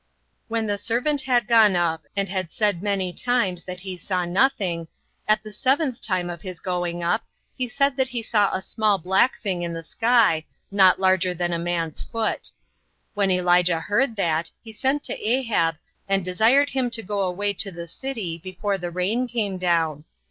When the Servant had gone up, and had said many times that he saw nothing, at the seventh time of his going up, he said that he saw a small black thing in the sky, not larger than a man's foot. When Elijah heard that, he sent to Ahab, and desired him to go away to the city before the rain came down.